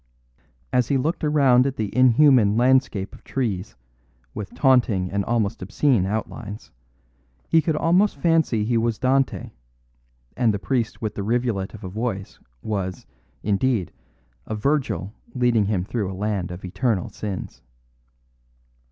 As he looked around at the inhuman landscape of trees, with taunting and almost obscene outlines, he could almost fancy he was Dante, and the priest with the rivulet of a voice was, indeed, a Virgil leading him through a land of eternal sins.